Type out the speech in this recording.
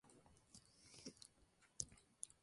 Es autora de la obra "La licencia urbanística.